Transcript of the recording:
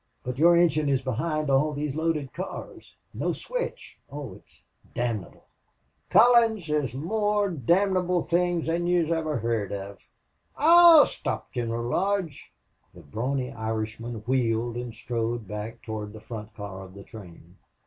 But your engine is behind all these loaded cars. No switch. Oh, it is damnable!" "Collins, there's more domnable things than yez ever heerd of.... I'll sthop Gineral Lodge!" The brawny Irishman wheeled and strode back toward the front car of the train.